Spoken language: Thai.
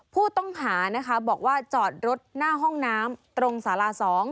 ผู้ต้องหานะคะบอกว่าจอดรถหน้าห้องน้ำตรงสารา๒